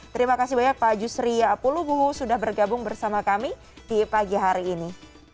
terima kasih banyak pak jusri pulubungu sudah bergabung bersama kami di pagi hari ini